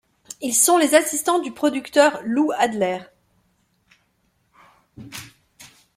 Ils sont les assistants du producteur Lou Adler.